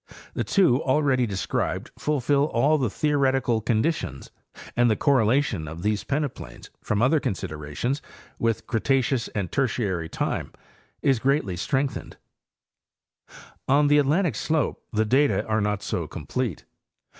The two already described fulfill all the theoretical conditions, and the correlation of these peneplains, from other considerations, with Cretaceous and Tertiary time is 126 Hayes and Campbell—Appalachian Geomorphology. greatly strengthened. On the Atlantic slope the data are not so complete.